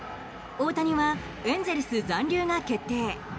大谷はエンゼルス残留が決定。